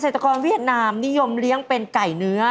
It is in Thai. ตกรเวียดนามนิยมเลี้ยงเป็นไก่เนื้อ